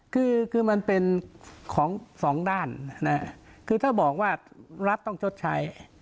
คือคือมันเป็นของสองด้านคือถ้าบอกว่ารัฐต้องชดใช้